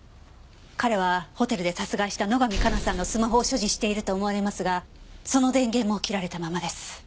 彼はホテルで殺害した野上加奈さんのスマホを所持していると思われますがその電源も切られたままです。